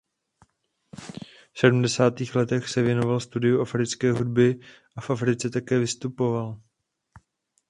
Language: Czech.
V sedmdesátých letech se věnoval studiu africké hudby a v Africe také vystupoval.